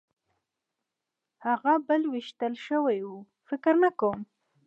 هغه بل وېشتل شوی و؟ فکر نه کوم.